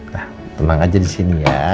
nah tenang aja disini ya